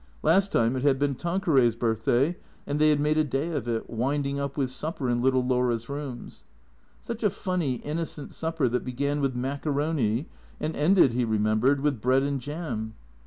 Last time it had been Tanqueray's birthday, and they had made a day of it, winding up with supper in little Laura's rooms. Such a funny, innocent supper that began with maccaroni, and ended, he remembered, with bread and jam.